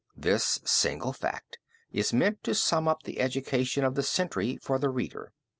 This single fact is meant to sum up the education of the century for the reader.